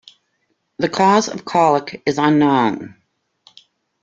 The cause of colic is unknown.